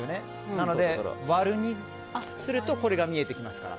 なので、割る２するとこれが見えてきますから。